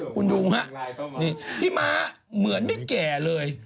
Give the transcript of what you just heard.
คุณดูฮะนี่พี่ม้าเหมือนไม่แก่เลย